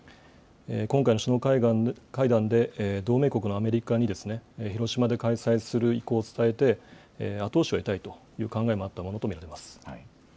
今回の首脳会談で、同盟国のアメリカに広島で開催する意向を伝えて、後押しを得たいという考えもあったものと見られます。